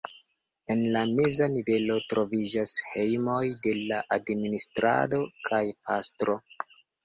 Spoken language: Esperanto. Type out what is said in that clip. En la meza nivelo troviĝas hejmoj de la administrado kaj pastro.